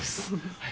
はい。